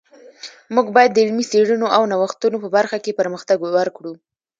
موږ باید د علمي څیړنو او نوښتونو په برخه کی پرمختګ ورکړو